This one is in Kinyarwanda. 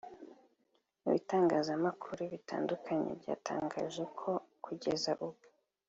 Ibitangazamakuru bitandukanye byatangaje ko kugeza ubu